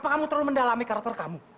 apa kamu terlalu mendalami karakter kamu